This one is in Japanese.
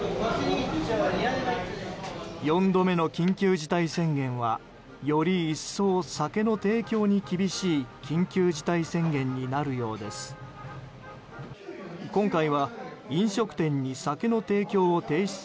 ４度目の緊急事態宣言はより一層、酒の提供に厳しい緊急事態宣言になるようです。